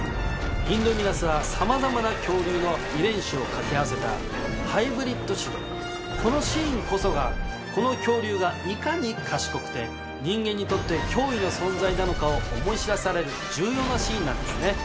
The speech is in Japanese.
インドミナスはさまざまな恐竜の遺伝子を掛け合わせたハイブリット種でこのシーンこそがこの恐竜がいかに賢くて人間にとって脅威の存在なのかを思い知らされる重要なシーンなんですね。